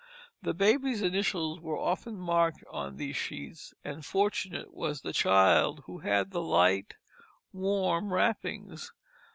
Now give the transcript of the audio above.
The baby's initials were often marked on these sheets, and fortunate was the child who had the light, warm wrappings.